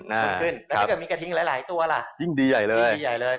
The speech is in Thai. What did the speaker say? และถ้าเกิดมีกระทิงหลายตัวอ่ะยิ่งดีใหญ่เลย